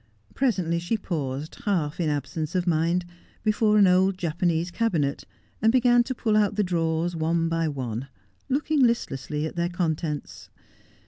Presently she paused, half in absence of mind, before an old Japanese cabinet, and began to pull out the drawers one by one, looking listlessly at their contents.